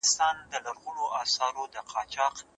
هر څوک د خپل برخلیک ټاکونکی دی.